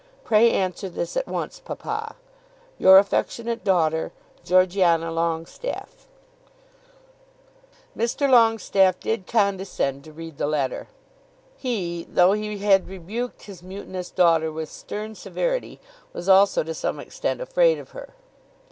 Pray answer this at once, papa. Your affectionate daughter, GEORGIANA LONGESTAFFE. Mr. Longestaffe did condescend to read the letter. He, though he had rebuked his mutinous daughter with stern severity, was also to some extent afraid of her.